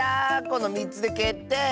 この３つでけってい！